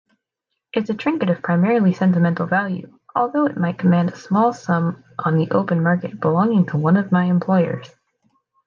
It's a trinket of primarily sentimental value, although it might command a small sum on the open market, belonging to one of my employers.